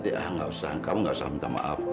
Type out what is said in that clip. enggak usah kamu enggak usah minta maaf